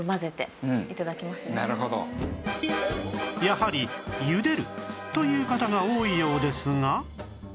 やはりゆでるという方が多いようですが